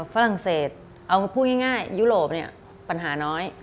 ฝรั่งเศสเอาพูดง่ายยุโรปเนี่ยปัญหาน้อย